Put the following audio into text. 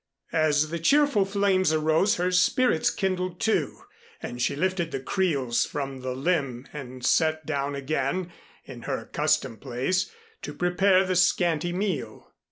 As the cheerful flames arose her spirits kindled, too, and she lifted the creels from the limb and sat down again in her accustomed place to prepare the scanty meal.